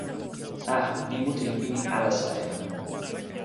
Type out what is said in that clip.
a, mi mute li pini alasa e ona.